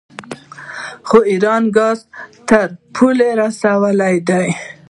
خو ایران ګاز تر پولې رسولی دی.